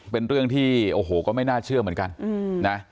เป็นเรื่องที่โอ้โหก็ไม่น่าเชื่อเหมือนกันนะ